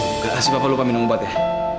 terima kasih pak balu kami nunggu pak deh